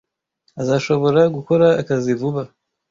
Azashobora gukora akazi vuba.